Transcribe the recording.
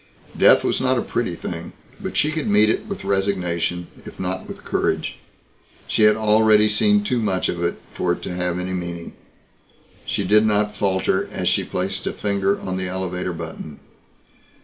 Death was not a pretty thing. But she could meet it with resignation if not with courage. She had already seen too much for it to have any meaning. She did not falter as she placed a finger on the elevator button.